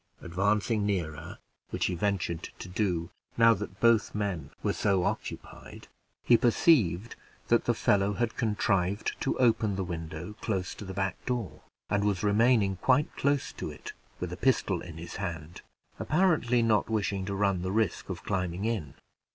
Advancing nearer which he ventured to do now that both the men were so occupied he perceived that the fellow had contrived to open the window close to the back door, and was remaining quite close to it with a pistol in his hand, apparently not wishing to run the risk of climbing in.